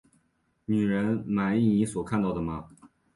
女人，满意你所看到的吗？